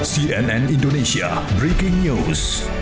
sianan indonesia breaking news